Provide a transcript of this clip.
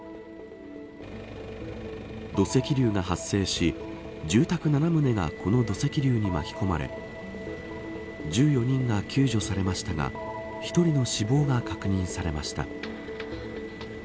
土石流が発生し住宅７棟がこの土石流に巻き込まれ１４人が救助されましたが１人の死亡が確認されました。